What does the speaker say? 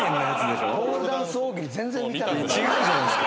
違うじゃないっすか。